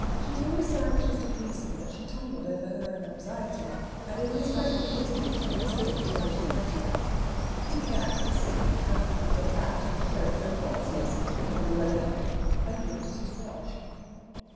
She was always so anxious to please him that she tumbled over her own anxiety, and in this present case didn't tell her story as well as she might have done. He began considering how he could get back to the shreds of Bopsius, if any were left, and looked at his watch.